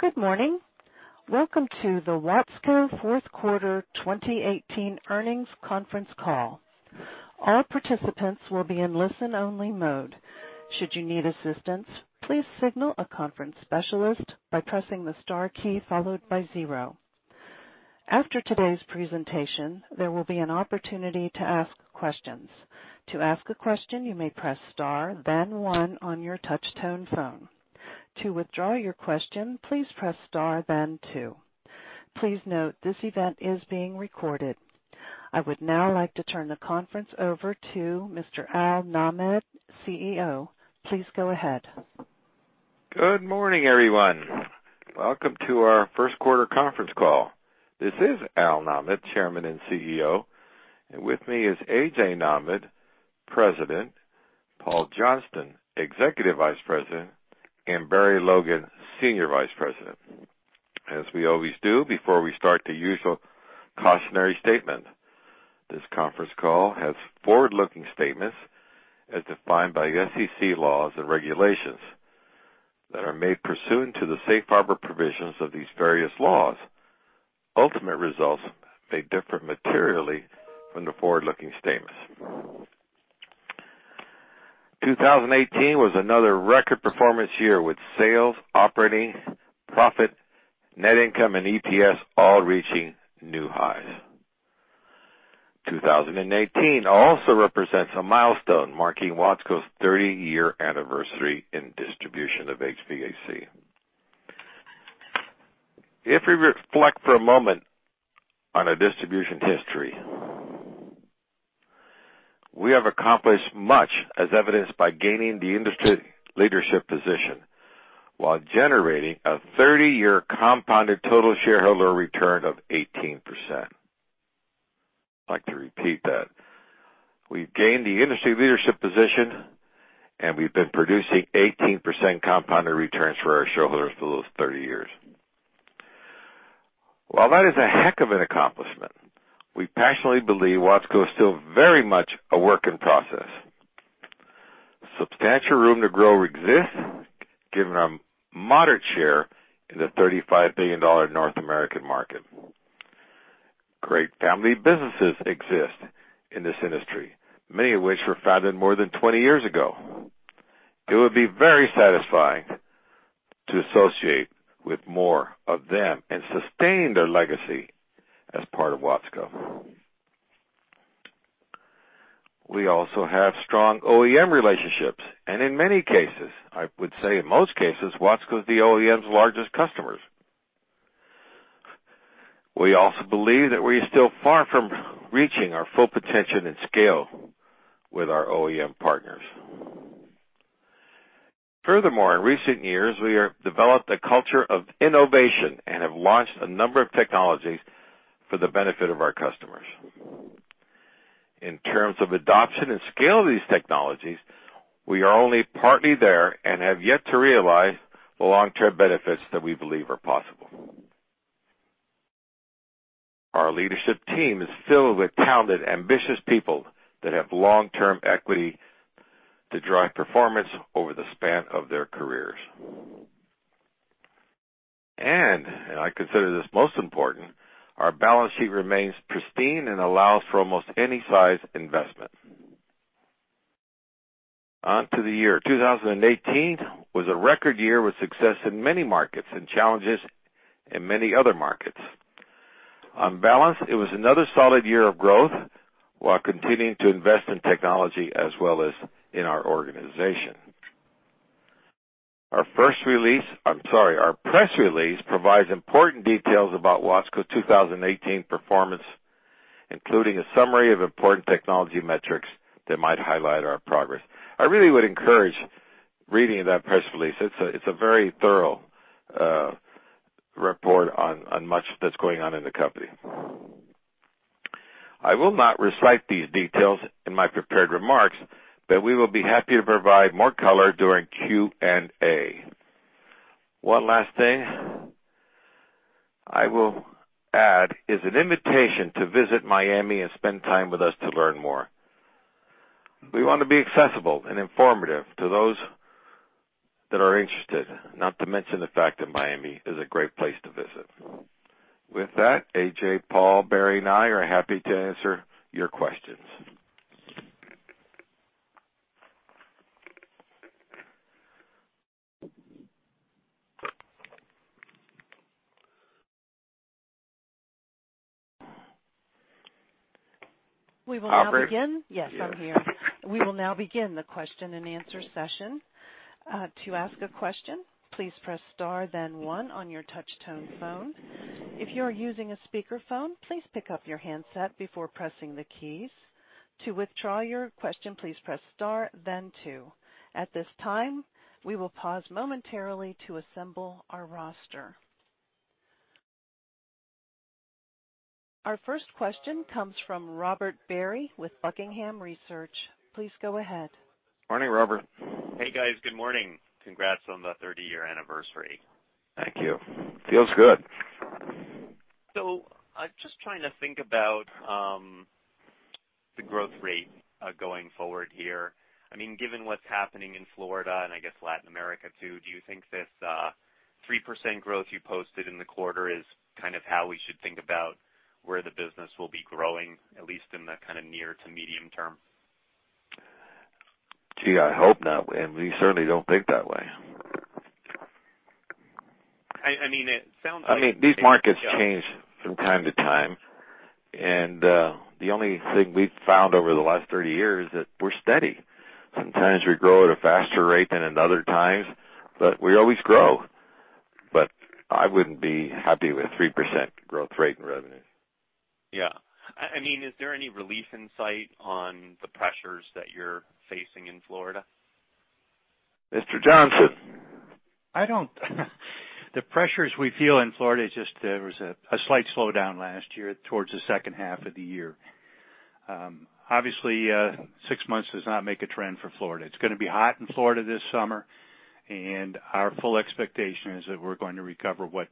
Good morning? Welcome to the Watsco fourth quarter 2018 earnings conference call. All participants will be in listen-only mode. Should you need assistance please signal the conference specialist by pressing the star key followed by zero. After today's presentation, there will be an opportunity to ask questions. To ask a question press star then one. To withdraw your question press star then two. Please note, this event is being recorded. I would now like to turn the conference over to Mr. A.L. Nahmad, Chief Executive Officer, please go ahead. Good morning, everyone. Welcome to our first quarter conference call. This is A.L. Nahmad, Chairman and Chief Executive Officer. With me is A.J. Nahmad, President, Paul Johnston, Executive Vice President, and Barry Logan, Senior Vice President. As we always do, before we start, the usual cautionary statement. This conference call has forward-looking statements as defined by SEC laws and regulations that are made pursuant to the safe harbor provisions of these various laws. Ultimate results may differ materially from the forward-looking statements. 2018 was another record performance year with sales, operating, profit, net income, and EPS all reaching new highs. 2018 also represents a milestone marking Watsco's 30-year anniversary in distribution of HVAC. If we reflect for a one moment on our distribution history, we have accomplished much as evidenced by gaining the industry leadership position while generating a 30-year compounded total shareholder return of 18%. I'd like to repeat that. We've gained the industry leadership position, and we've been producing 18% compounded returns for our shareholders for those 30 years. While that is a heck of an accomplishment, we passionately believe Watsco is still very much a work in process. Substantial room to grow exists, given a moderate share in the $35 billion North American market. Great family businesses exist in this industry, many of which were founded more than 20 years ago. It would be very satisfying to associate with more of them and sustain their legacy as part of Watsco. We also have strong OEM relationships, and in many cases, I would say in most cases, Watsco is the OEM's largest customers. We also believe that we are still far from reaching our full potential and scale with our OEM partners. Furthermore, in recent years, we have developed a culture of innovation and have launched a number of technologies for the benefit of our customers. In terms of adoption and scale of these technologies, we are only partly there and have yet to realize the long-term benefits that we believe are possible. Our leadership team is filled with talented, ambitious people that have long-term equity to drive performance over the span of their careers. I consider this most important, our balance sheet remains pristine and allows for almost any size investment. On to the year 2018 was a record year with success in many markets and challenges in many other markets. On balance, it was another solid year of growth while continuing to invest in technology as well as in our organization. Our press release provides important details about Watsco's 2018 performance, including a summary of important technology metrics that might highlight our progress. I really would encourage reading that press release. It's a very thorough report on much that's going on in the company. I will not recite these details in my prepared remarks. We will be happy to provide more color during Q&A. One last thing I will add is an invitation to visit Miami and spend time with us to learn more. We wanna be accessible and informative to those that are interested, not to mention the fact that Miami is a great place to visit. With that, A.J., Paul, Barry, and I are happy to answer your questions. We will now begin- Albert? Yes, I'm here. We will now begin the question-and-answer session. To ask a question, please press star then one on your touch-tone phone. If you are using a speakerphone, please pick up your handset before pressing the keys. To withdraw your question, please press star then two. At this time, we will pause momentarily to assemble our roster. Our first question comes from Robert Barry with Buckingham Research, please go ahead. Morning, Robert? Hey, guys. Good morning. Congrats on the 30-year anniversary. Thank you. Feels good. Just trying to think about the growth rate going forward here. I mean, given what's happening in Florida, and I guess Latin America too, do you think this 3% growth you posted in the quarter is kind of how we should think about where the business will be growing, at least in the kinda near to medium term? Gee, I hope not. We certainly don't think that way. I mean, it sounds like. I mean, these markets change from time to time. The only thing we've found over the last 30 years is that we're steady. Sometimes we grow at a faster rate than at other times, but we always grow. I wouldn't be happy with 3% growth rate in revenue. Yeah. I mean, is there any relief in sight on the pressures that you're facing in Florida? Mr. Johnston? The pressures we feel in Florida is just there was a slight slowdown last year towards the second half of the year. Obviously, six months does not make a trend for Florida. It's gonna be hot in Florida this summer, and our full expectation is that we're going to recover what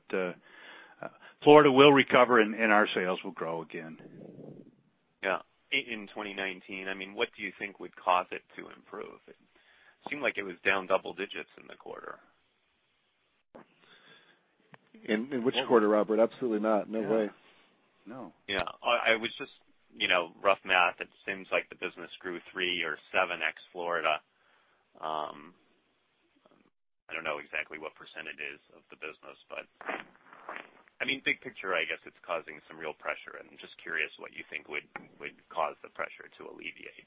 Florida will recover and our sales will grow again. Yeah. In 2019, I mean, what do you think would cause it to improve? It seemed like it was down double digits in the quarter. In which quarter, Robert? Absolutely not. No way. Yeah. Yeah. I was just, you know, rough math, it seems like the business grew three or seven ex Florida. I don't know exactly what percentage it is of the business, but I mean, big picture, I guess it's causing some real pressure, and I'm just curious what you think would cause the pressure to alleviate.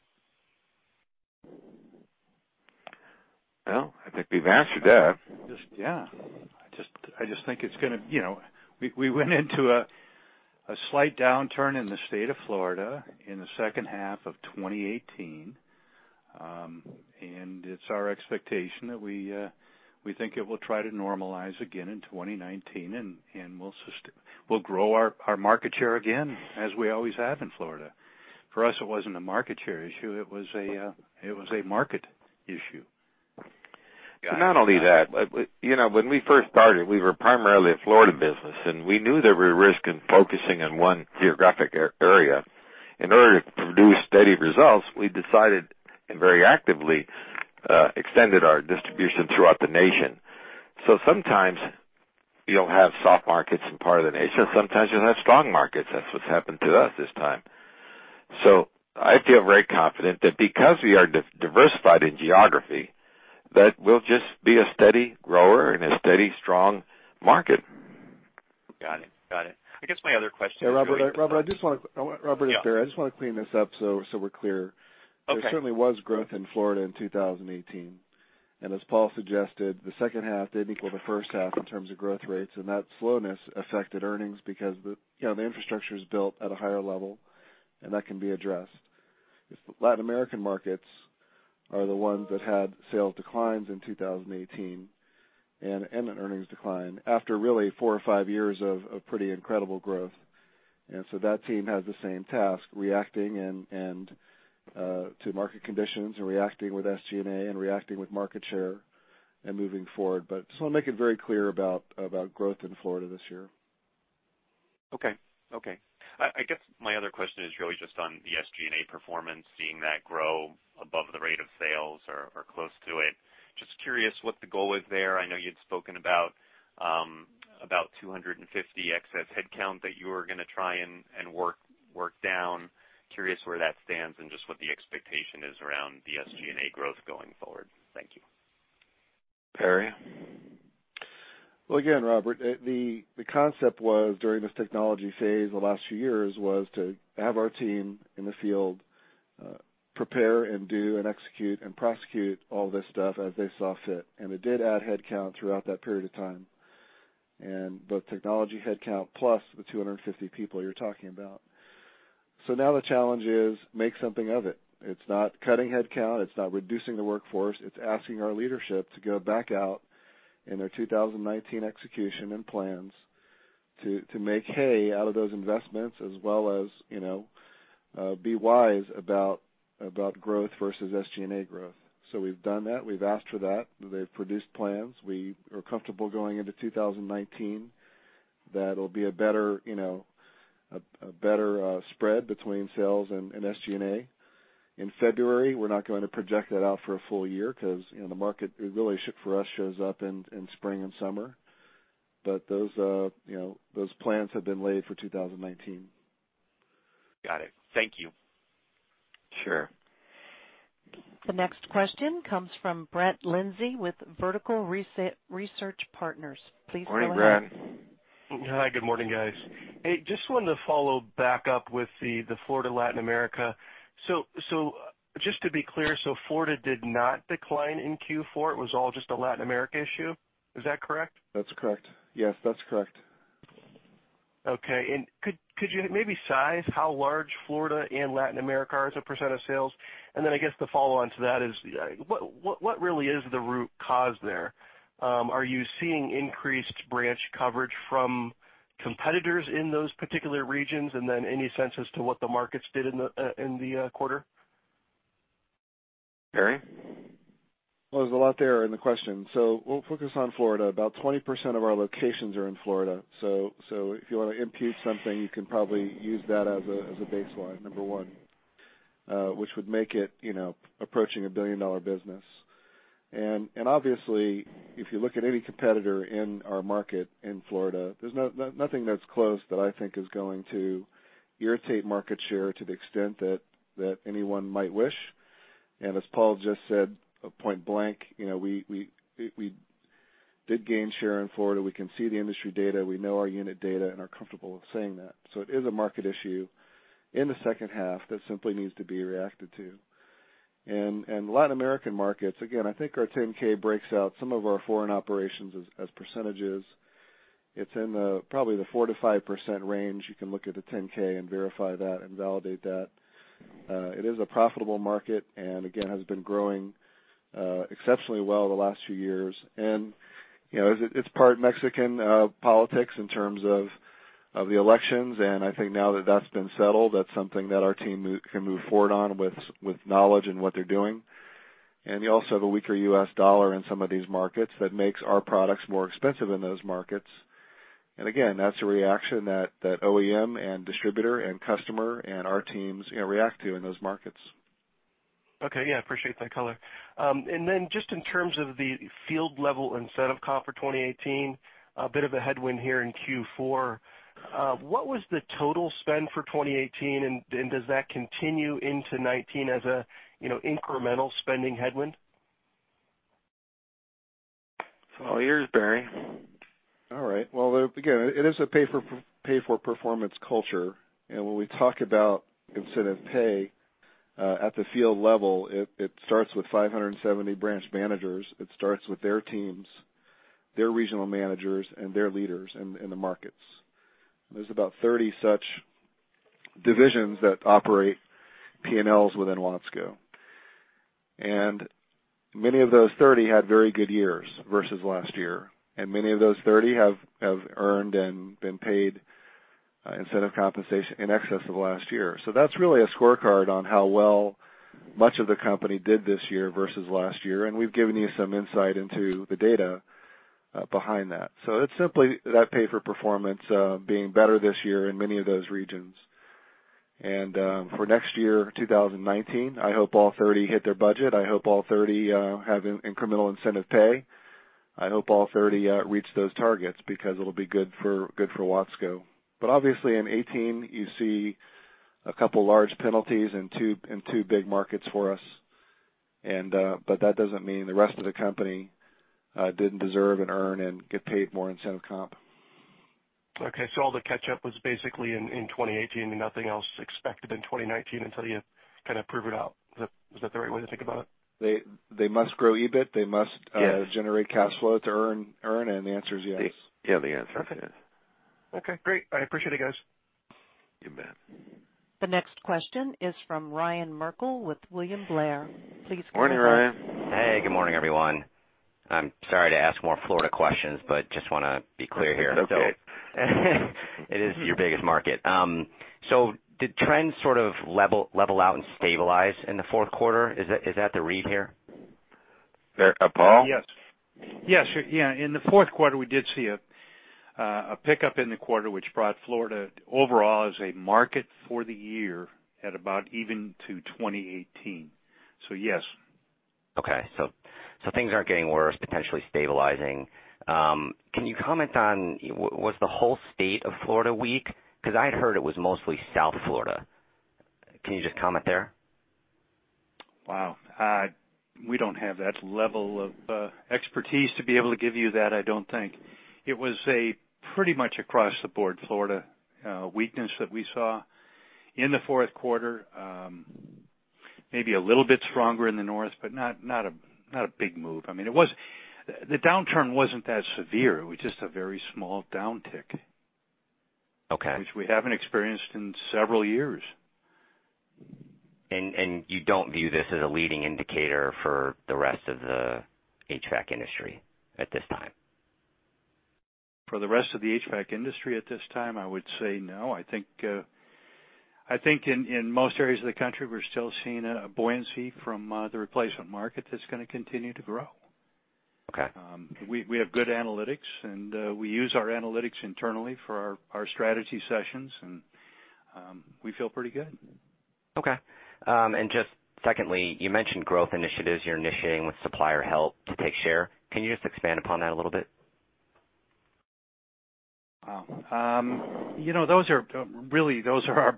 Well, I think we've answered that. Just, yeah. I just think it's gonna, you know We went into a slight downturn in the state of Florida in the second half of 2018. It's our expectation that we think it will try to normalize again in 2019, and we'll grow our market share again, as we always have in Florida. For us, it wasn't a market share issue, it was a market issue. Not only that, you know, when we first started, we were primarily a Florida business, and we knew there were risk in focusing in one geographic area. In order to produce steady results, we decided, and very actively, extended our distribution throughout the nation. Sometimes you'll have soft markets in part of the nation, sometimes you'll have strong markets. That's what's happened to us this time. I feel very confident that because we are diversified in geography, that we'll just be a steady grower in a steady, strong market. Got it. Robert, I just want to While Robert is there, I just want to clean this up so we're clear. Okay. There certainly was growth in Florida in 2018. As Paul suggested, the second half didn't equal the first half in terms of growth rates, and that slowness affected earnings because the, you know, the infrastructure is built at a higher level, and that can be addressed. It's Latin American markets are the ones that had sales declines in 2018 and an earnings decline after really four or five years of pretty incredible growth. So that team has the same task, reacting and to market conditions and reacting with SG&A and reacting with market share and moving forward. Just wanna make it very clear about growth in Florida this year. Okay. I guess my other question is really just on the SG&A performance, seeing that grow above the rate of sales or close to it. Just curious what the goal is there. I know you'd spoken about 250 excess headcount that you were gonna try and work down. Curious where that stands and just what the expectation is around the SG&A growth going forward. Thank you. Barry? Again, Robert, the concept was, during this technology phase the last few years, was to have our team in the field, prepare and do and execute and prosecute all this stuff as they saw fit. It did add headcount throughout that period of time, and both technology headcount plus the 250 people you're talking about. Now the challenge is make something of it. It's not cutting headcount, it's not reducing the workforce. It's asking our leadership to go back out in their 2019 execution and plans to make hay out of those investments as well as, you know, be wise about growth versus SG&A growth. We've done that. We've asked for that. They've produced plans. We are comfortable going into 2019 that it'll be a better, you know, a better spread between sales and SG&A. In February, we're not going to project that out for a full year 'cause, you know, the market really for us shows up in spring and summer. Those, you know, those plans have been laid for 2019. Got it. Thank you. Sure. The next question comes from Brett Linzey with Vertical Research Partners. Please go ahead. Morning, Brett? Hi, good morning, guys. Just wanted to follow back up with the Florida, Latin America. Just to be clear, Florida did not decline in Q4, it was all just a Latin America issue? Is that correct? That's correct. Yes, that's correct. Okay. Could you maybe size how large Florida and Latin America are as a % of sales? Then I guess the follow-on to that is, what really is the root cause there? Are you seeing increased branch coverage from competitors in those particular regions? Then any sense as to what the markets did in the quarter? Barry? Well, there's a lot there in the question. We'll focus on Florida. About 20% of our locations are in Florida. If you wanna impute something, you can probably use that as a baseline, number one. Which would make it, you know, approaching a billion-dollar business. Obviously, if you look at any competitor in our market in Florida, there's nothing that's close that I think is going to irritate market share to the extent that anyone might wish. As Paul just said, point-blank, you know, we did gain share in Florida. We can see the industry data, we know our unit data, and are comfortable with saying that. It is a market issue in the second half that simply needs to be reacted to. Latin American markets, again, I think our 10-K breaks out some of our foreign operations as percentages. It's in the, probably the 4%-5% range. You can look at the 10-K and verify that and validate that. It is a profitable market, again, has been growing exceptionally well the last few years. You know, it's part Mexican politics in terms of the elections, I think now that that's been settled, that's something that our team can move forward on with knowledge in what they're doing. You also have a weaker U.S. dollar in some of these markets that makes our products more expensive in those markets. Again, that's a reaction that OEM and distributor and customer and our teams, you know, react to in those markets. Okay. Yeah, appreciate that color. Just in terms of the field level incentive comp for 2018, a bit of a headwind here in Q4. What was the total spend for 2018, and does that continue into 2019 as a, you know, incremental spending headwind? It's all ears, Barry. All right. Well, again, it is a pay for, pay for performance culture. When we talk about incentive pay at the field level, it starts with 570 branch managers. It starts with their teams, their regional managers, and their leaders in the markets. There's about 30 such divisions that operate P&Ls within Watsco. Many of those 30 had very good years versus last year, and many of those 30 have earned and been paid incentive compensation in excess of last year. That's really a scorecard on how well much of the company did this year versus last year, and we've given you some insight into the data behind that. It's simply that pay for performance being better this year in many of those regions. For next year, 2019, I hope all 30 hit their budget. I hope all 30 have incremental incentive pay. I hope all 30 reach those targets because it'll be good for Watsco. Obviously, in 2018, you see a couple large penalties in two big markets for us. That doesn't mean the rest of the company didn't deserve and earn and get paid more incentive comp. Okay. All the catch-up was basically in 2018 and nothing else expected in 2019 until you kind of prove it out. Is that the right way to think about it? They must grow EBIT. Yes. They must generate cash flow to earn, and the answer is yes. Yeah, the answer I think is. Okay, great. I appreciate it, guys. You bet. The next question is from Ryan Merkel with William Blair, please go ahead. Morning, Ryan? Hey, good morning, everyone. I'm sorry to ask more Florida questions, but just wanna be clear here. It's okay. It is your biggest market. Did trends sort of level out and stabilize in the fourth quarter? Is that, is that the read here? Paul? Yes. Yes. In the fourth quarter, we did see a pickup in the quarter, which brought Florida overall as a market for the year at about even to 2018, so yes. Okay. things aren't getting worse, potentially stabilizing. Can you comment on was the whole state of Florida weak? 'Cause I'd heard it was mostly South Florida. Can you just comment there? Wow. We don't have that level of expertise to be able to give you that, I don't think. It was a pretty much across the board Florida weakness that we saw in the fourth quarter. Maybe a little bit stronger in the north, but not a big move. I mean, the downturn wasn't that severe. It was just a very small downtick. Okay. Which we haven't experienced in several years. You don't view this as a leading indicator for the rest of the HVAC industry at this time? For the rest of the HVAC industry at this time, I would say no. I think in most areas of the country, we're still seeing a buoyancy from the replacement market that's gonna continue to grow. Okay. We have good analytics and we use our analytics internally for our strategy sessions, and we feel pretty good. Okay. Just secondly, you mentioned growth initiatives you're initiating with supplier help to take share. Can you just expand upon that a little bit? You know, those are, really, those are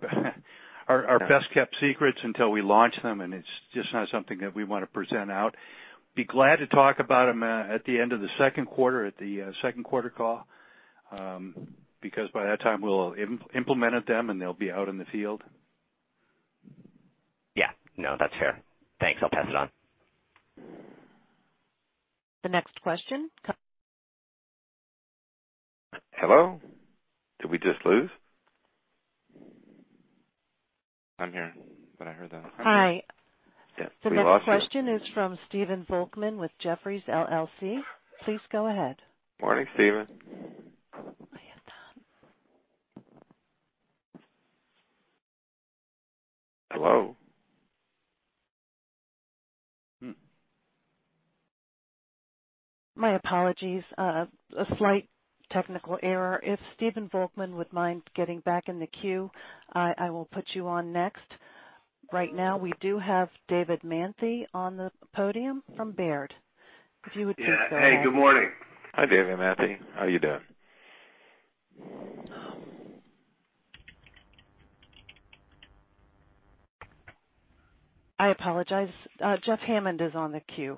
our best kept secrets until we launch them, and it's just not something that we wanna present out. Be glad to talk about them at the end of the second quarter at the second quarter call, because by that time, we'll implemented them, and they'll be out in the field. Yeah. No, that's fair. Thanks. I'll pass it on. The next question. Hello? Did we just lose? I'm here, but I heard that. Hi. Yeah, we lost you. The next question is from Stephen Volkmann with Jefferies LLC. Please go ahead. Morning, Stephen? Hello? My apologies. A slight technical error. If Stephen Volkmann would mind getting back in the queue, I will put you on next. Right now, we do have David Manthey on the podium from Baird. If you would just go ahead. Yeah. Hey, good morning? Hi, David Manthey. How are you doing? I apologize. Jeff Hammond is on the queue.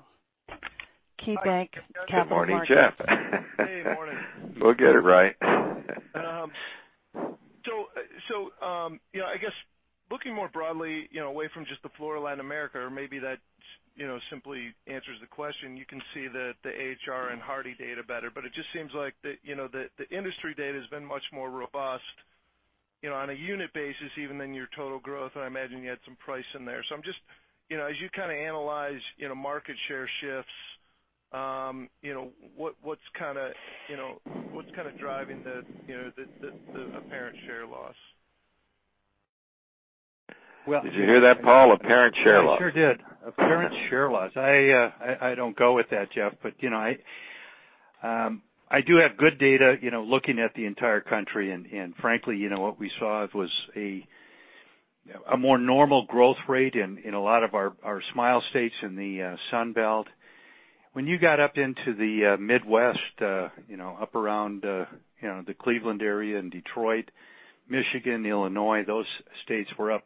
KeyBanc Capital Markets. Good morning Jeff? Hey, morning. We'll get it right. You know, I guess looking more broadly, you know, away from just the Florida and America or maybe that, you know, simply answers the question, you can see that the AHRI data better, but it just seems like the, you know, the industry data has been much more robust, you know, on a unit basis even than your total growth, and I imagine you had some price in there. I'm just, you know, as you kind of analyze, you know, market share shifts, you know, what's kinda, you know, what's kinda driving the apparent share loss? Did you hear that, Paul? Apparent share loss. I sure did. Apparent share loss. I don't go with that, Jeff, you know, I do have good data, you know, looking at the entire country, frankly, you know, what we saw was a more normal growth rate in a lot of our smile states in the Sunbelt. When you got up into the Midwest, around the Cleveland area and Detroit, Michigan, Illinois, those states were up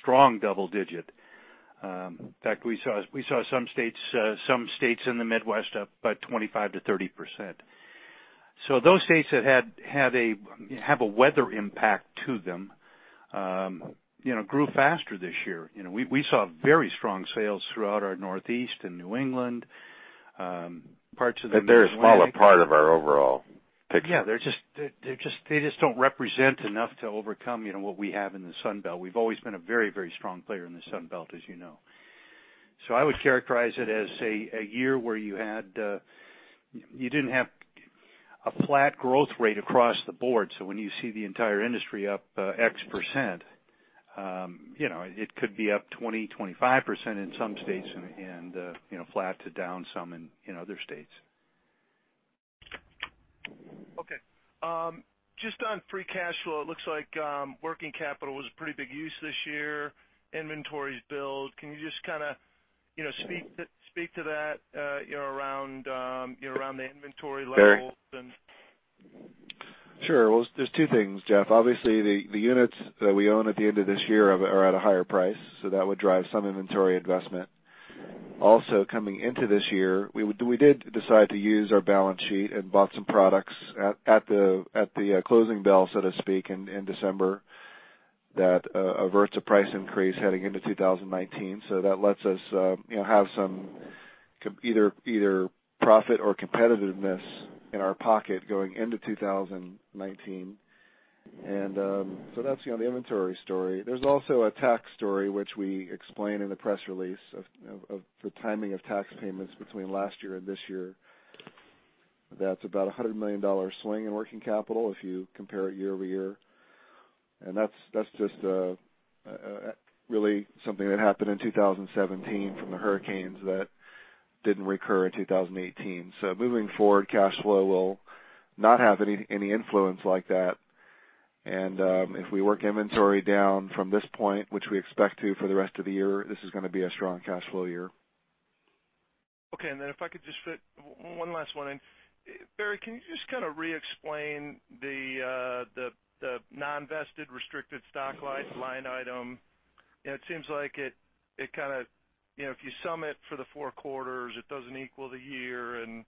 strong double-digit. In fact, we saw some states in the Midwest up by 25%-30%. Those states that have a weather impact to them, you know, grew faster this year. You know, we saw very strong sales throughout our Northeast and New England. They're a small part of our overall picture. They just don't represent enough to overcome, you know, what we have in the Sunbelt. We've always been a very, very strong player in the Sunbelt, as you know. I would characterize it as a year where you had, you didn't have a flat growth rate across the board. When you see the entire industry up, X%, you know, it could be up 20%, 25% in some states and, you know, flat to down some in other states. Just on free cash flow, it looks like, working capital was a pretty big use this year. Inventories build. Can you just kinda, you know, speak to that, you know, around, you know, around the inventory levels. Barry? Sure. There's two things, Jeff. Obviously, the units that we own at the end of this year are at a higher price, that would drive some inventory investment. Also, coming into this year, we did decide to use our balance sheet and bought some products at the closing bell, so to speak, in December that averts a price increase heading into 2019. That lets us, you know, have some either profit or competitiveness in our pocket going into 2019. That's, you know, the inventory story. There's also a tax story, which we explain in the press release of the timing of tax payments between last year and this year. That's about a $100 million swing in working capital if you compare it year-over-year. That's just really something that happened in 2017 from the hurricanes that didn't recur in 2018. Moving forward, cash flow will not have any influence like that. If we work inventory down from this point, which we expect to for the rest of the year, this is gonna be a strong cash flow year. Okay. If I could just fit one last one in. Barry, can you just kinda re-explain the non-vested restricted stock line item? It seems like it kinda, you know, if you sum it for the four quarters, it doesn't equal the year. You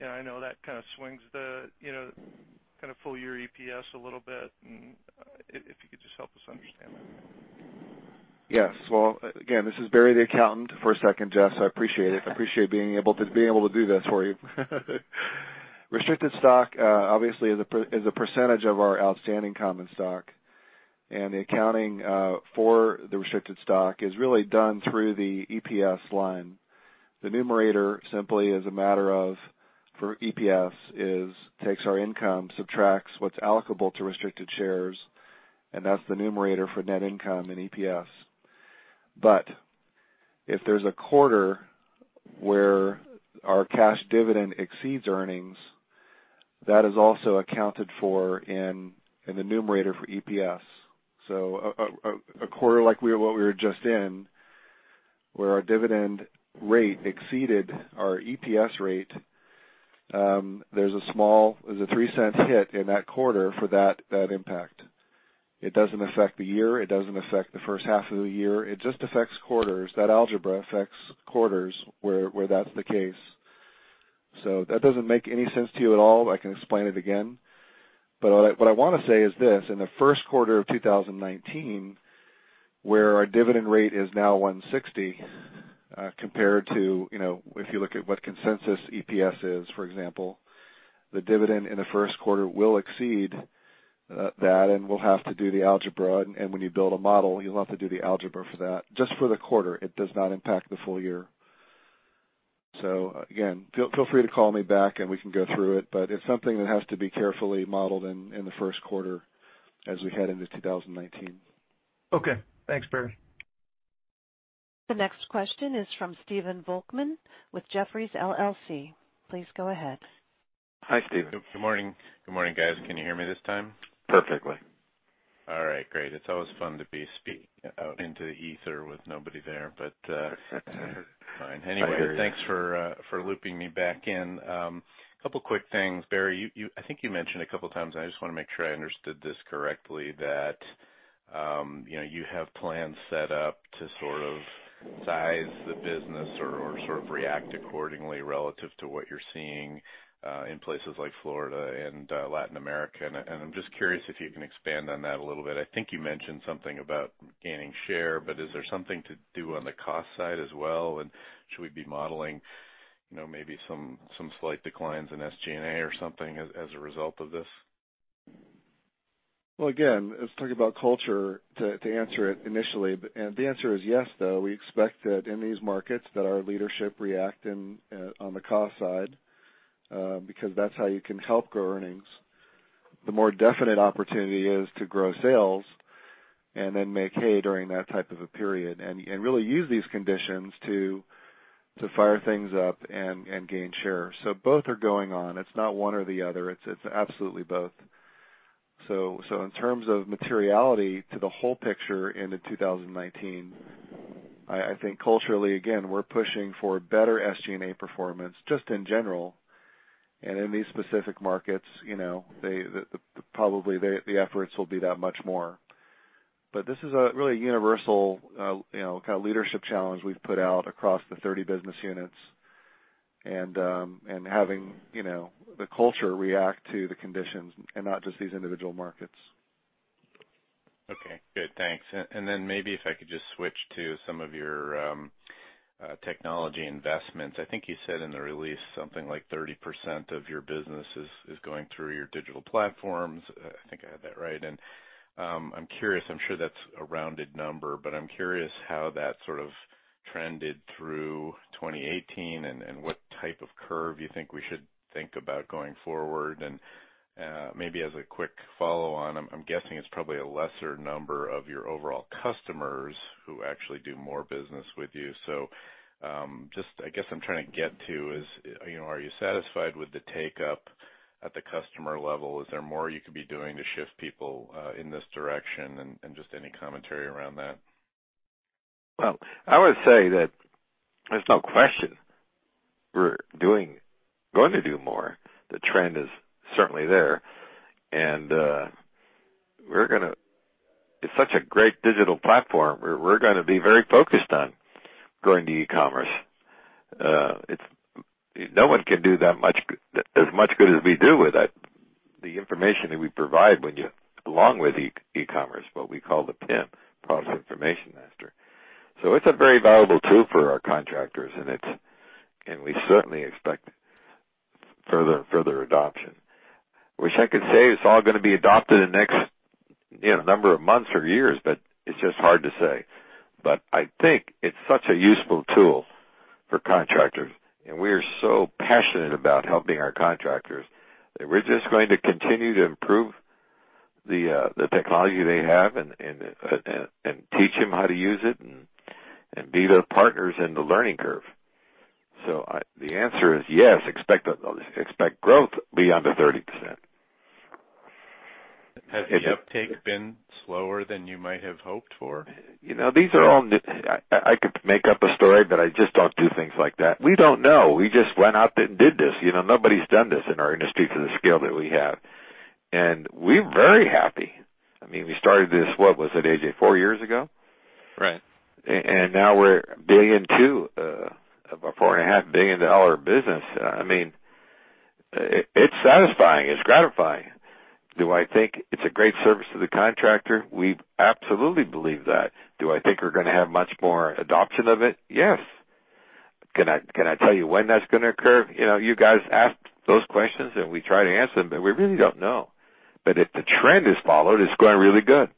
know, I know that kinda swings the, you know, kind of full year EPS a little bit. If you could just help us understand that. Yes. Well, again, this is Barry, the accountant for a second, Jeff, I appreciate it. I appreciate being able to do this for you. Restricted stock, obviously is a percentage of our outstanding common stock, the accounting for the restricted stock is really done through the EPS line. The numerator simply is a matter of, for EPS, takes our income, subtracts what's allocable to restricted shares, and that's the numerator for net income in EPS. If there's a quarter where our cash dividend exceeds earnings, that is also accounted for in the numerator for EPS. A quarter like we were, what we were just in, where our dividend rate exceeded our EPS rate, there's a small, there's a $0.03 hit in that quarter for that impact. It doesn't affect the year. It doesn't affect the first half of the year. It just affects quarters. That algebra affects quarters where that's the case. That doesn't make any sense to you at all. I can explain it again. What I wanna say is this: In the first quarter of 2019, where our dividend rate is now $1.60 compared to, if you look at what consensus EPS is, for example, the dividend in the first quarter will exceed that, and we'll have to do the algebra. When you build a model, you'll have to do the algebra for that, just for the quarter. It does not impact the full year. Again, feel free to call me back, and we can go through it. It's something that has to be carefully modeled in the first quarter as we head into 2019. Okay. Thanks, Barry. The next question is from Stephen Volkmann with Jefferies LLC. Please go ahead. Hi, Stephen? Good morning. Good morning, guys. Can you hear me this time? Perfectly. All right, great. It's always fun to be speak out into the ether with nobody there. Fine. Anyway, thanks for looping me back in. A couple quick things. Barry, I think you mentioned a couple times, and I just wanna make sure I understood this correctly, that, you know, you have plans set up to sort of size the business or sort of react accordingly relative to what you're seeing in places like Florida and Latin America. I'm just curious if you can expand on that a little bit. I think you mentioned something about gaining share, but is there something to do on the cost side as well? Should we be modeling, you know, maybe some slight declines in SG&A or something as a result of this? Well, again, let's talk about culture to answer it initially. The answer is yes, though. We expect that in these markets that our leadership react in on the cost side, because that's how you can help grow earnings. The more definite opportunity is to grow sales and then make hay during that type of a period and really use these conditions to fire things up and gain share. Both are going on. It's not one or the other. It's absolutely both. In terms of materiality to the whole picture into 2019, I think culturally, again, we're pushing for better SG&A performance just in general. In these specific markets, you know, probably the efforts will be that much more. This is a really universal, you know, kind of leadership challenge we've put out across the 30 business units and having, you know, the culture react to the conditions and not just these individual markets. Okay. Good. Thanks. Then maybe if I could just switch to some of your technology investments. I think you said in the release something like 30% of your business is going through your digital platforms. I think I have that right. I'm curious, I'm sure that's a rounded number, but I'm curious how that sort of trended through 2018 and what type of curve you think we should think about going forward. Maybe as a quick follow-on, I'm guessing it's probably a lesser number of your overall customers who actually do more business with you. Just I guess I'm trying to get to is, you know, are you satisfied with the take-up at the customer level? Is there more you could be doing to shift people in this direction? Just any commentary around that. Well, I would say that there's no question we're gonna do more. The trend is certainly there. We're gonna. It's such a great digital platform. We're gonna be very focused on going to e-commerce. No one can do that much as much good as we do with it, the information that we provide along with e-commerce, what we call the PIM, Product Information Master. It's a very valuable tool for our contractors, and we certainly expect further and further adoption. Wish I could say it's all gonna be adopted in the next, you know, number of months or years, it's just hard to say. I think it's such a useful tool for contractors, and we are so passionate about helping our contractors that we're just going to continue to improve the technology they have and teach them how to use it and be the partners in the learning curve. The answer is yes, expect growth beyond the 30%. Has the uptake been slower than you might have hoped for? You know, these are all I could make up a story, but I just don't do things like that. We don't know. We just went out there and did this. You know, nobody's done this in our industry for the scale that we have. We're very happy. I mean, we started this, what was it, A.J., four years ago? Right. Now we're $1.2 billion, of a $4.5 billion dollar business. I mean, it's satisfying. It's gratifying. Do I think it's a great service to the contractor? We absolutely believe that. Do I think we're gonna have much more adoption of it? Yes. Can I tell you when that's gonna occur? You know, you guys ask those questions, and we try to answer them, but we really don't know. If the trend is followed, it's going really good.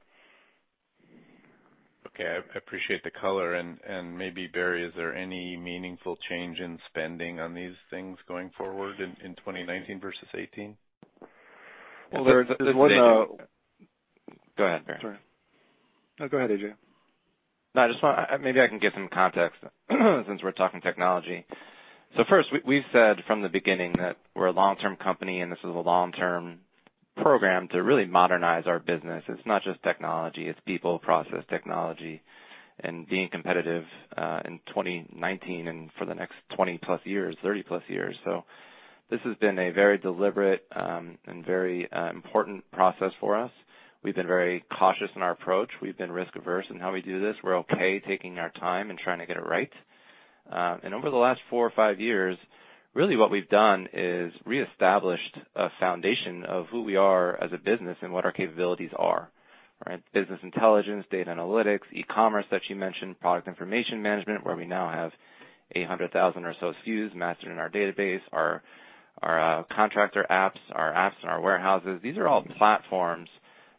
Okay. I appreciate the color. Maybe, Barry, is there any meaningful change in spending on these things going forward in 2019 versus 2018? Well, there is one. A.J.? Go ahead, Barry. Sorry. No, go ahead, A.J. No, maybe I can give some context since we're talking technology. First, we've said from the beginning that we're a long-term company, and this is a long-term program to really modernize our business. It's not just technology. It's people, process, technology, and being competitive in 2019 and for the next 20+ years, 30+ years. This has been a very deliberate and very important process for us. We've been very cautious in our approach. We've been risk-averse in how we do this. We're okay taking our time and trying to get it right. Over the last four or five years, really what we've done is reestablished a foundation of who we are as a business and what our capabilities are, right? Business intelligence, data analytics, E-Commerce that you mentioned, Product Information Management, where we now have 800,000 or so SKUs mastered in our database, Our contractor apps, our apps in our warehouses, these are all platforms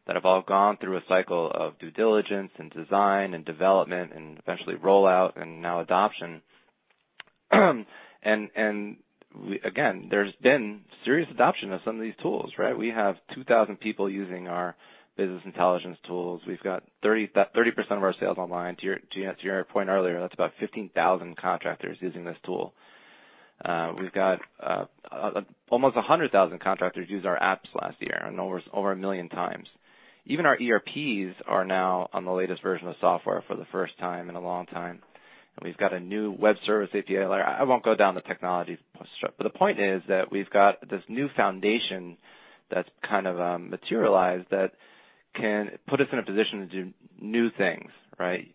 that have all gone through a cycle of due diligence and design and development and eventually rollout and now adoption. Again, there's been serious adoption of some of these tools, right? We have 2,000 people using our business intelligence tools. We've got 30% of our sales online. To your point earlier, that's about 15,000 contractors using this tool. We've got almost 100,000 contractors use our apps last year and over one million times. Even our ERPs are now on the latest version of software for the first time in a long time. We've got a new web service API. I won't go down the technology. The point is that we've got this new foundation that's kind of materialized that can put us in a position to do new things, right?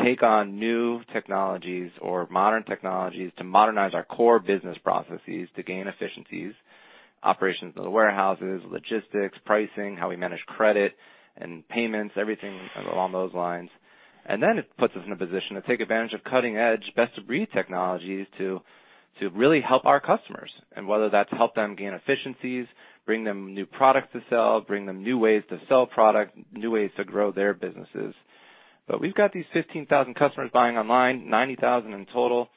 Take on new technologies or modern technologies to modernize our core business processes to gain efficiencies, operations of the warehouses, logistics, pricing, how we manage credit and payments, everything along those lines. It puts us in a position to take advantage of cutting-edge, best-of-breed technologies to really help our customers. Whether that's help them gain efficiencies, bring them new products to sell, bring them new ways to sell product, new ways to grow their businesses. We've got these 15,000 customers buying online, 90,000 in total.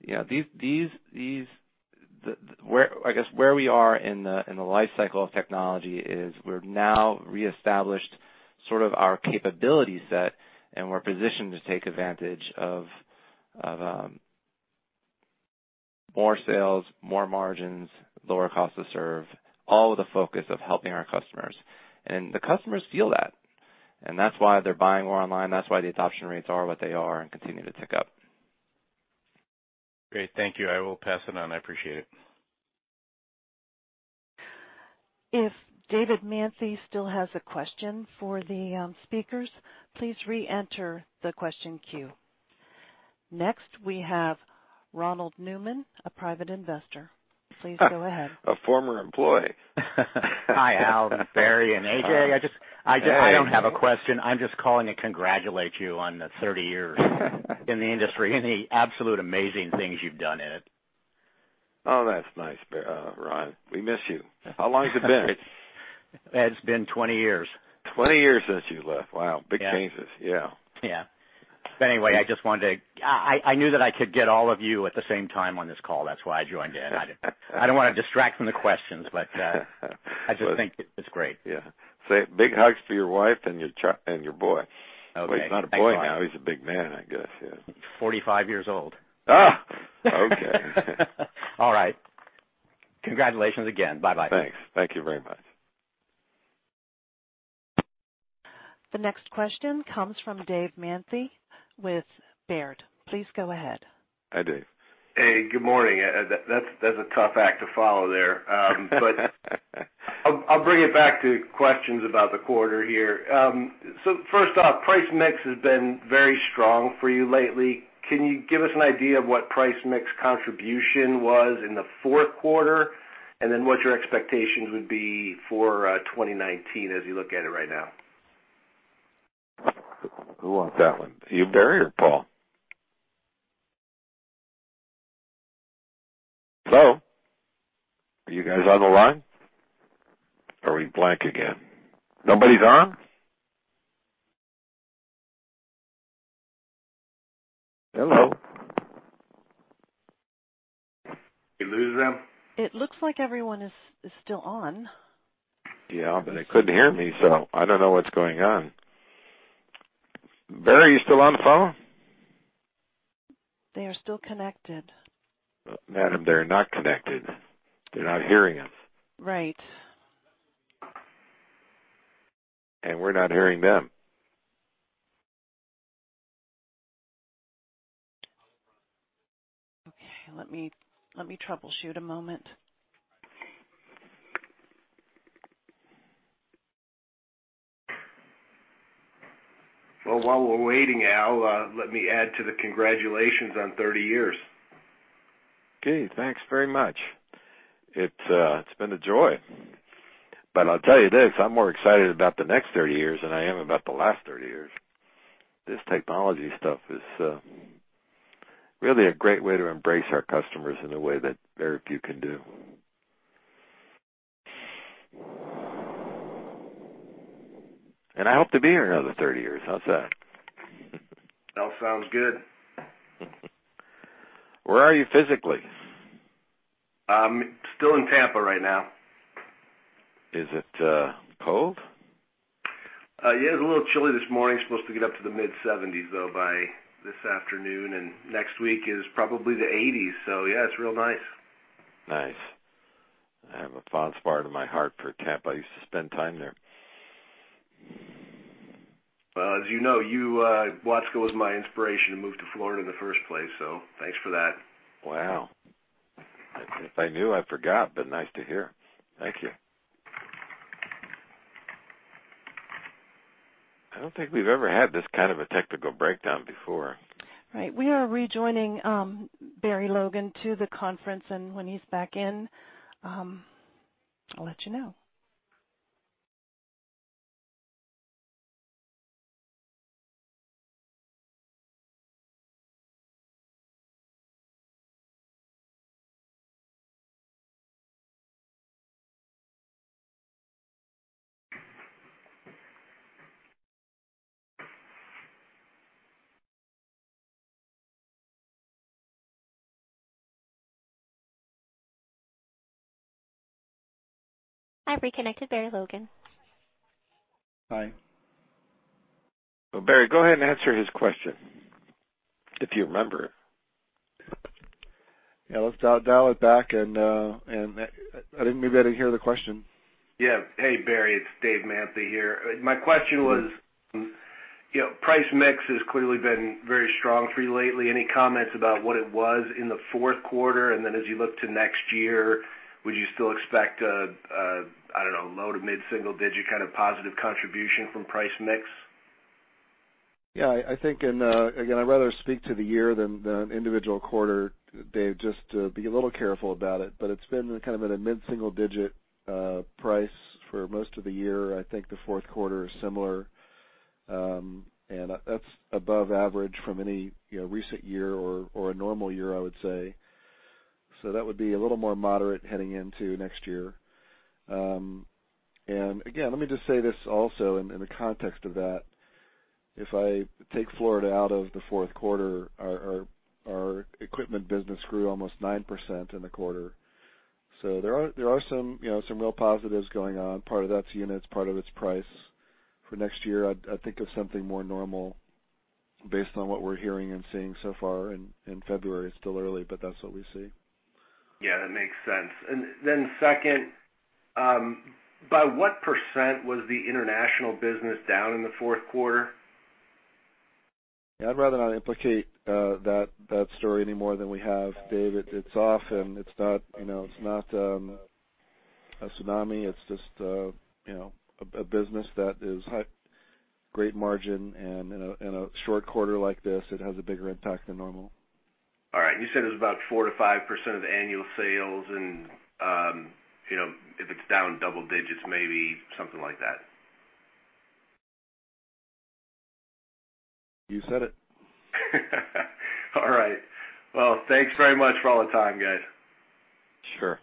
You know, I guess where we are in the life cycle of technology is we're now re-established sort of our capability set, and we're positioned to take advantage of more sales, more margins, lower cost to serve, all with the focus of helping our customers. The customers feel that, and that's why they're buying more online. That's why the adoption rates are what they are and continue to tick up. Great. Thank you. I will pass it on. I appreciate it. If David Manthey still has a question for the speakers, please re-enter the question queue. Next, we have Ronald Newman, a private investor, please go ahead. A former employee. Hi, A.L., Barry, and A.J? Hi. I just, I just- Hey. I don't have a question. I'm just calling to congratulate you on the 30 years in the industry and the absolute amazing things you've done in it. Oh, that's nice, Ron. We miss you. How long has it been? It's been 20 years. Twenty years since you left. Wow. Yeah. Big changes. Yeah. Yeah. Anyway, I knew that I could get all of you at the same time on this call. That's why I joined in. I don't wanna distract from the questions, I just think it's great. Yeah. Say big hugs to your wife and your boy. Okay. Thanks, Ron. Well, he's not a boy now. He's a big man, I guess. Yeah. 45 years old. Okay. All right. Congratulations again. Bye-bye. Thanks. Thank you very much. The next question comes from David Manthey with Baird. Please go ahead. Hi, Dave? Hey, good morning? That's a tough act to follow there. I'll bring it back to questions about the quarter here. First off, price mix has been very strong for you lately. Can you give us an idea of what price mix contribution was in the fourth quarter and then what your expectations would be for 2019 as you look at it right now? Who wants that one? You, Barry or Paul? Hello? Are you guys on the line? Are we blank again? Nobody's on? Hello? We lose them? It looks like everyone is still on. Yeah, they couldn't hear me. I don't know what's going on. Barry, are you still on the phone? They are still connected. Madam, they're not connected. They're not hearing us. Right. We're not hearing them. Okay. Let me troubleshoot a moment. Well, while we're waiting, A.L., let me add to the congratulations on 30 years. Okay. Thanks very much. It's been a joy. I'll tell you this, I'm more excited about the next 30 years than I am about the last 30 years. This technology stuff is really a great way to embrace our customers in a way that very few can do. I hope to be here another 30 years. How's that? That sounds good. Where are you physically? I'm still in Tampa right now. Is it cold? Yeah, it was a little chilly this morning. It's supposed to get up to the mid-70s degrees, though, by this afternoon. Next week is probably the 80s. Yeah, it's real nice. Nice. I have a fond spot in my heart for Tampa. I used to spend time there. Well, as you know, Watsco, was my inspiration to move to Florida in the first place, so thanks for that. Wow. If I knew, I forgot, but nice to hear. Thank you. I don't think we've ever had this kind of a technical breakdown before. Right. We are rejoining Barry Logan to the conference, and when he's back in, I'll let you know. I've reconnected Barry Logan. Hi. Well, Barry, go ahead and answer his question, if you remember it. Yeah, let's dial it back and I think maybe I didn't hear the question. Yeah. Hey, Barry, it's Dave Manthey here. My question was, you know, price mix has clearly been very strong for you lately. Any comments about what it was in the fourth quarter? As you look to next year, would you still expect a, I don't know, low to mid-single-digit kind of positive contribution from price mix? I'd rather speak to the year than the individual quarter, Dave, just to be a little careful about it. It's been kind of in a mid-single digit price for most of the year. I think the fourth quarter is similar. That's above average from any, you know, recent year or a normal year, I would say. That would be a little more moderate heading into next year. Let me just say this also in the context of that. If I take Florida out of the fourth quarter, our equipment business grew almost 9% in the quarter. There are some, you know, some real positives going on. Part of that's units, part of it's price. For next year, I think of something more normal based on what we're hearing and seeing so far in February. It's still early, but that's what we see. Yeah, that makes sense. Second, by what percent was the international business down in the fourth quarter? Yeah, I'd rather not implicate that story any more than we have, Dave. It's off and it's not, you know, it's not a tsunami. It's just a, you know, a business that is high, great margin and in a short quarter like this, it has a bigger impact than normal. All right. You said it was about 4%-5% of annual sales and, you know, if it's down double digits, maybe something like that. You said it. All right. Well, thanks very much for all the time, guys Sure.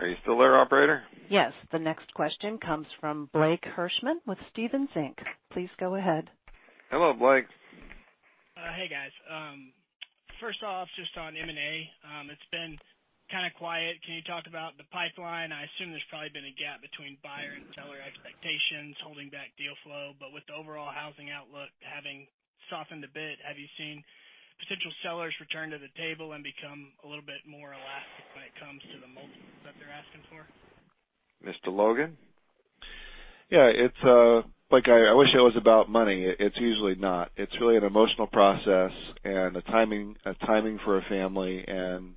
Are you still there, operator? Yes. The next question comes from Blake Hirschman with Stephens Inc., please go ahead. Hello, Blake? Hey, guys. First off, just on M&A, it's been kind of quiet. Can you talk about the pipeline? I assume there's probably been a gap between buyer and seller expectations holding back deal flow. With the overall housing outlook having softened a bit, have you seen potential sellers return to the table and become a little bit more elastic when it comes to the multiples that they're asking for? Mr. Logan? Yeah, it's Blake, I wish it was about money. It's usually not. It's really an emotional process and a timing for a family and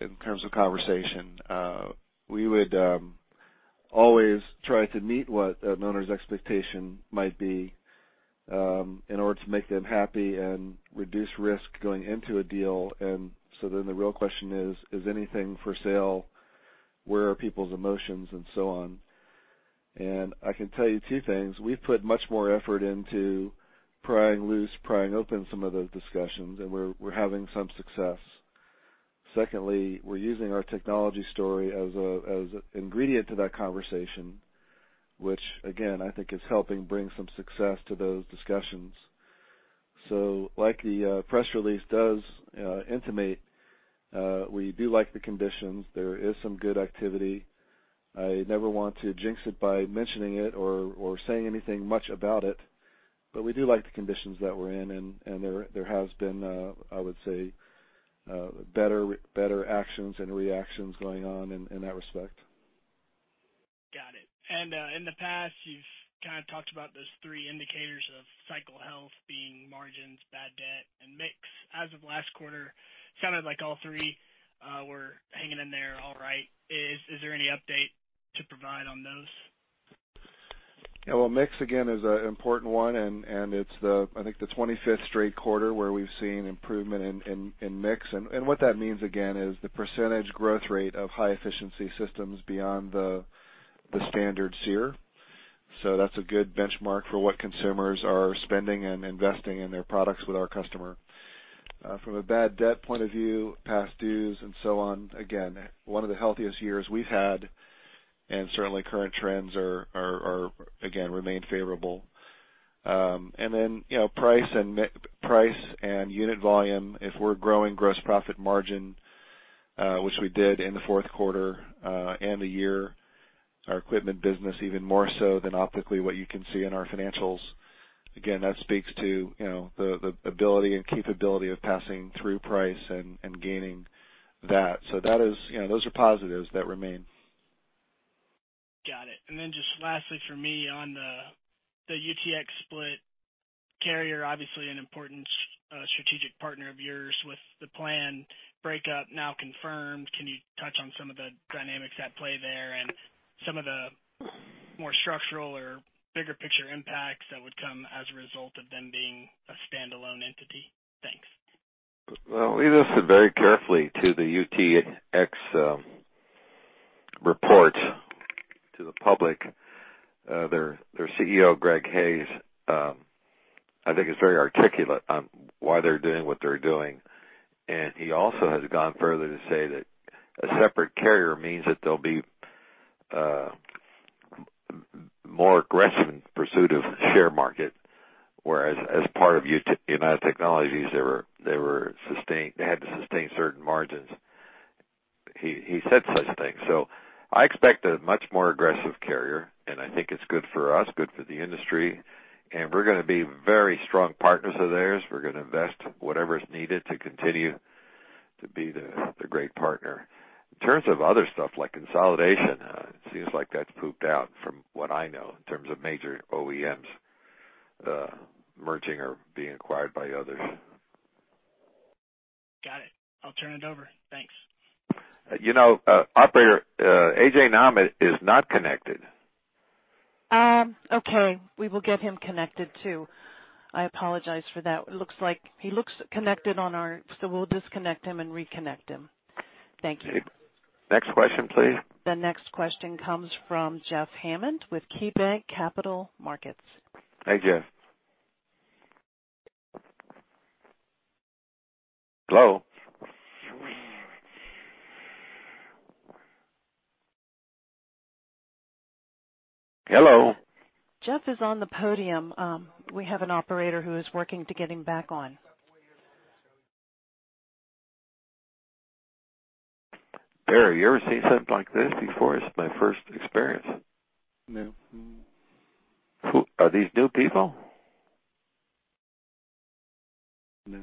in terms of conversation, we would always try to meet what an owner's expectation might be in order to make them happy and reduce risk going into a deal. The real question is anything for sale? Where are people's emotions and so on. I can tell you two things. We've put much more effort into prying loose, prying open some of those discussions, and we're having some success. Secondly, we're using our technology story as an ingredient to that conversation, which again, I think is helping bring some success to those discussions. Like the press release does intimate, we do like the conditions. There is some good activity. I never want to jinx it by mentioning it or saying anything much about it. We do like the conditions that we're in. There has been, I would say, better actions and reactions going on in that respect. Got it. In the past, you've kind of talked about those three indicators of cycle health being margins, bad debt, and mix. As of last quarter, sounded like all three were hanging in there all right. Is there any update to provide on those? Well, mix, again, is an important one, and it's the 25th straight quarter where we've seen improvement in mix. What that means, again, is the percentage growth rate of high-efficiency systems beyond the standard SEER. That's a good benchmark for what consumers are spending and investing in their products with our customer. From a bad debt point of view, past dues and so on, again, one of the healthiest years we've had, and certainly current trends are again, remain favorable. You know, price and Price and unit volume, if we're growing gross profit margin, which we did in the fourth quarter, and the year, our equipment business even more so than optically what you can see in our financials. That speaks to, you know, the ability and capability of passing through price and gaining that. That is, you know, those are positives that remain. Got it. Just lastly for me on the UTX split. Carrier obviously an important strategic partner of yours. With the planned breakup now confirmed, can you touch on some of the dynamics at play there and some of the more structural or bigger picture impacts that would come as a result of them being a standalone entity? Well, we listen very carefully to the UTX report to the public. Their Chief Executive Officer, Greg Hayes, I think is very articulate on why they're doing what they're doing. He also has gone further to say that a separate Carrier means that they'll be more aggressive in pursuit of share market. Whereas as part of United Technologies, they had to sustain certain margins. He said such things. I expect a much more aggressive Carrier, and I think it's good for us, good for the industry, and we're gonna be very strong partners of theirs. We're gonna invest whatever is needed to continue to be the great partner. In terms of other stuff like consolidation, it seems like that's pooped out from what I know in terms of major OEMs merging or being acquired by others. Got it. I'll turn it over. Thanks. You know, operator, A.J. Nahmad is not connected. Okay. We will get him connected too. I apologize for that. He looks connected on our. We'll disconnect him and reconnect him. Thank you. Next question, please. The next question comes from Jeff Hammond with KeyBanc Capital Markets. Hey, Jeff? Hello? Hello? Jeff is on the podium. We have an operator who is working to get him back on. Barry, you ever seen something like this before? It's my first experience. No. Are these new people? No.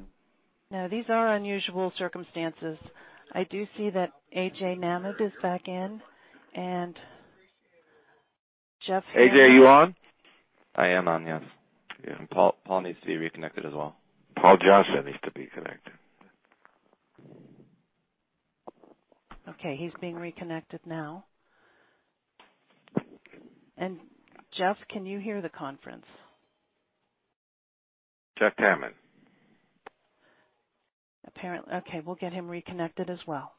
No, these are unusual circumstances. I do see that A.J. Nahmad is back in. Jeff Hammond. A.J., are you on? I am on, yes. Yeah, Paul needs to be reconnected as well. Paul Johnston needs to be connected. Okay, he's being reconnected now. Jeff, can you hear the conference? Jeff Hammond? Apparently Okay, we'll get him reconnected as well.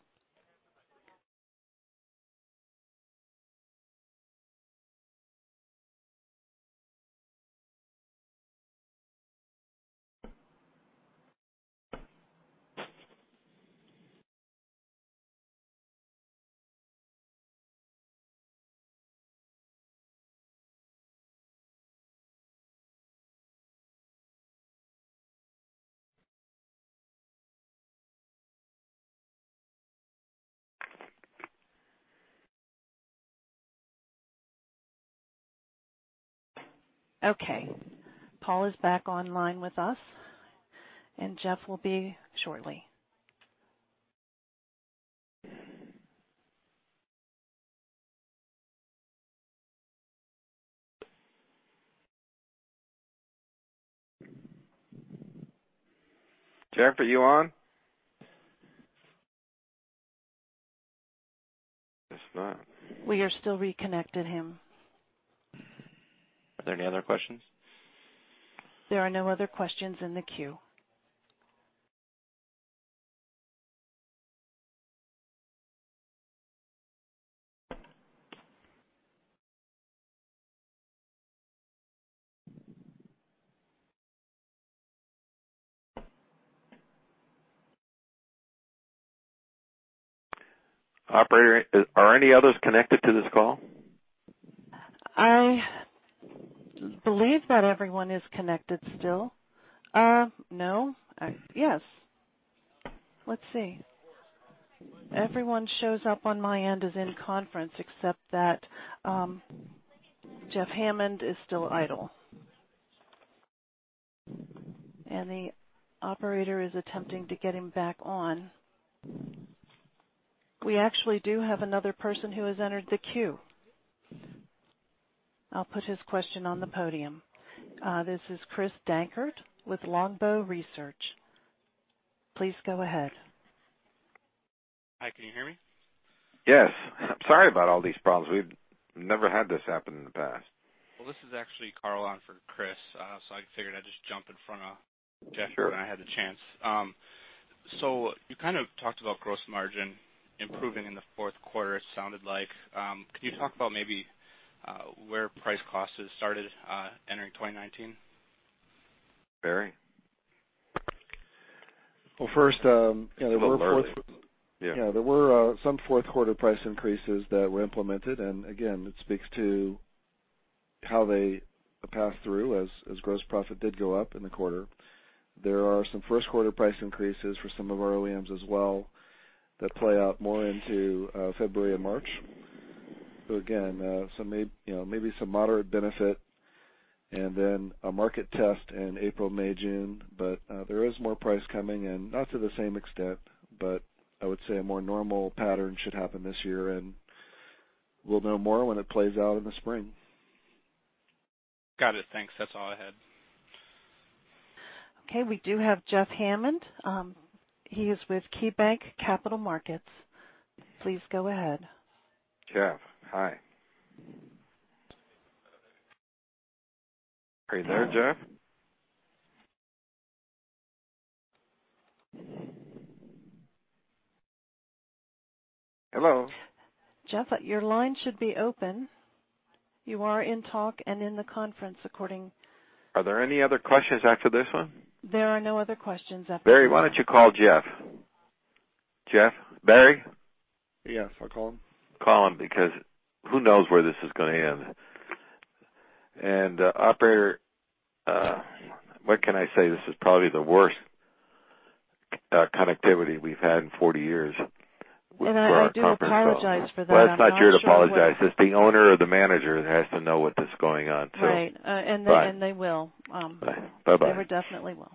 Okay. Paul is back online with us, and Jeff will be shortly. Jeff, are you on? Guess not. We are still reconnecting him. Are there any other questions? There are no other questions in the queue. Operator, are any others connected to this call? I believe that everyone is connected still. No. Yes. Let's see. Everyone shows up on my end as in conference, except that Jeffrey Hammond is still idle. The operator is attempting to get him back on. We actually do have another person who has entered the queue. I'll put his question on the podium. This is Christopher Dankert with Longbow Research. Please go ahead. Hi. Can you hear me? Yes. Sorry about all these problems. We've never had this happen in the past. Well, this is actually Carl on for Chris. I figured I'd just jump in front of Jeff here. Sure. When I had the chance. You kind of talked about gross margin improving in the fourth quarter, it sounded like. Can you talk about maybe where price cost is started entering 2019? Barry? Well, first, yeah. A little early. Yeah. Yeah. There were some 4th quarter price increases that were implemented. Again, it speaks to how they pass through as gross profit did go up in the quarter. There are some 1st quarter price increases for some of our OEMs as well that play out more into February and March. Again, you know, maybe some moderate benefit and then a market test in April, May, June. There is more price coming and not to the same extent, but I would say a more normal pattern should happen this year. We'll know more when it plays out in the spring. Got it. Thanks. That's all I had. Okay. We do have Jeff Hammond. He is with KeyBanc Capital Markets. Please go ahead. Jeff, hi. Are you there, Jeff? Hello? Jeff, your line should be open. You are in talk and in the conference. Are there any other questions after this one? There are no other questions after this Barry, why don't you call Jeff? Jeff? Barry? Yes, I'll call him. Call him because who knows where this is gonna end. Operator, what can I say? This is probably the worst connectivity we've had in 40 years for our conference call. I do apologize for that. It's not your apologize. It's the owner or the manager that has to know what is going on too. Right. They will. Bye. Bye-bye. They were definitely will.